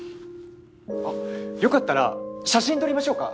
あ良かったら写真撮りましょうか？